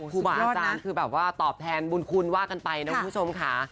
ครูบาอาจารย์คือแบบว่าตอบแทนบุญคุณว่ากันไปนะคุณผู้ชมค่ะ